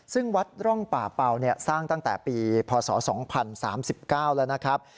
ซึ่งวัดร่องป่าเป่าสร้างตั้งแต่ปีพศ๒๐๓๙แล้วนะครับ